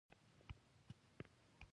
د انار دانه د هضم لپاره وکاروئ